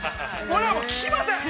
◆俺は、もう聞きません！